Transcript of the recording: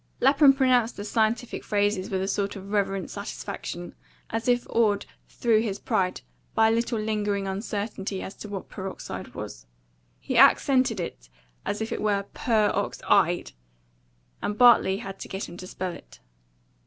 Lapham pronounced the scientific phrases with a sort of reverent satisfaction, as if awed through his pride by a little lingering uncertainty as to what peroxide was. He accented it as if it were purr ox EYED; and Bartley had to get him to spell it.